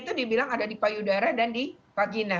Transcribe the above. dan itu dibilang ada di payudara dan di vagina